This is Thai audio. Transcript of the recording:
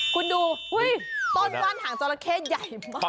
คุณดูต้นว่านหางจราเข้ใหญ่มาก